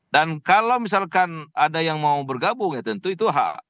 dan kalau misalkan ada yang mau bergabung ya tentu itu hak